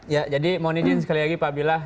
ya jadi mohon izin sekali lagi pak abdillah